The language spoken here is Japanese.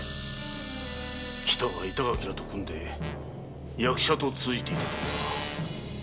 喜多が板垣らと組んで役者と通じていたとは。